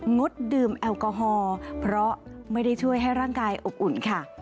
งดดื่มแอลกอฮอล์เพราะไม่ได้ช่วยให้ร่างกายอบอุ่นค่ะ